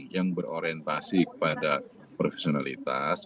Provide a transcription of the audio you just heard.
yang berorientasi kepada profesionalitas